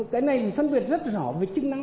cái này mình phân biệt rất rõ về chức năng